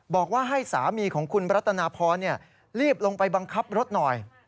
บอกว่าให้สามีของคุณรัตนาพรรีบลงไปบังคับรถหน่อย